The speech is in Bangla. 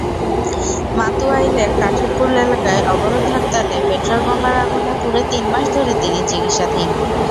মাতুয়াইলের কাঠেরপুল এলাকায় অবরোধ-হরতালে পেট্রলবোমার আগুনে পুড়ে তিন মাস ধরে তিনি চিকিৎসাধীন।